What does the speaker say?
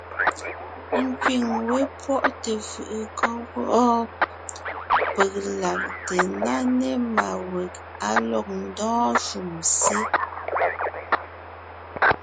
Nkẅíŋ wé pwɔ́ʼte fʉʼʉ kɔ́ wɔ́ peg lagte ńná ne má weg á lɔg ndɔ́ɔn shúm sé.